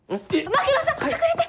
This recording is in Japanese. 槙野さん隠れて！